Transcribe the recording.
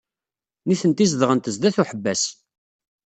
Nitenti zedɣent sdat uḥebbas.